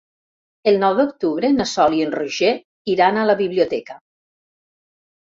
El nou d'octubre na Sol i en Roger iran a la biblioteca.